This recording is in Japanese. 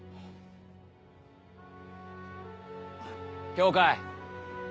羌。